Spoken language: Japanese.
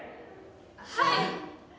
はい！